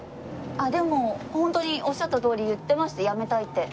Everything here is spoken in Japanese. でもホントにおっしゃったとおり言ってました「やめたい」って。